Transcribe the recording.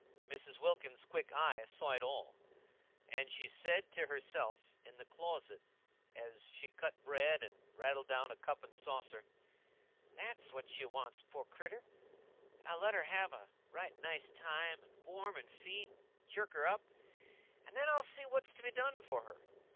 Mrs. Wilkins's quick eyes saw it all, and she said to herself, in the closet, as she cut bread and rattled down a cup and saucer: "That's what she wants, poor creeter; I'll let her have a right nice time, and warm and feed and chirk her up, and then I'll see what's to be done for her.